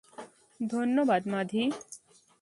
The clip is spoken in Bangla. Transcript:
ধন্যবাদ, মাধি।